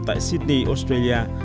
tại sydney australia